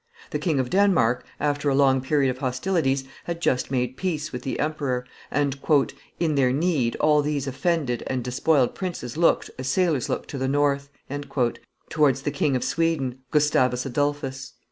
The King of Denmark, after a long period of hostilities, had just made peace with the emperor; and, "in their need, all these offended and despoiled princes looked, as sailors look to the north," towards the King of Sweden, Gustavus Adolphus.